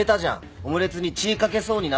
オムレツに血かけそうになったから。